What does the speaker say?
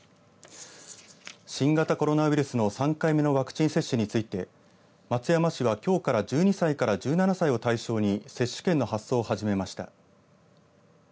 新型コロナウイルスの３回目のワクチン接種について松山市は、きょうから１２歳から１７歳を対象に接種券の発送を始めました。